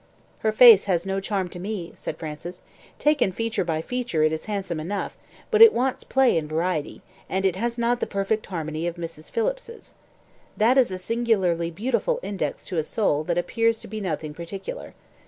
"Her face has no charm to me," said Francis. "Taken feature by feature it is handsome enough; but it wants play and variety, and it has not the perfect harmony of Mrs. Phillips's. That is a singularly beautiful index to a soul that appears to be nothing particular.